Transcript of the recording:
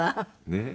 ねえ。